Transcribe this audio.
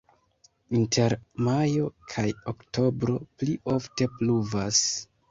Inter majo kaj oktobro pli ofte pluvas.